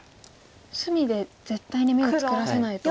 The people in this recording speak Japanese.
隅で絶対に眼を作らせないと。